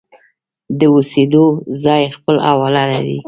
د اوسېدو ځای خپل حواله لري.